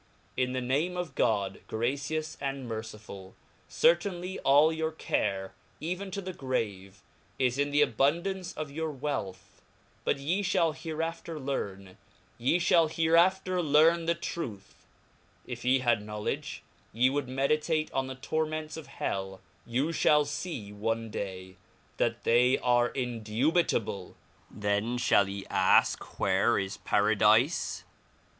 IN the Name of God, gracious and merciflill. Gertaixily all your care, even to the grave, is in the abundance of your wealth; but ye (hall hereafter learn, ye fhall hereafter learn the truth ; If ye had knowledg , yc would meditate on the torments of hdl, you (hall fee one day, that they are indubi*'" tabic, then {ball ye ask where is Paradife?